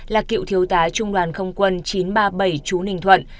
là cựu thiếu tá trung đoàn không quân chín trăm ba mươi bảy chú ninh thuận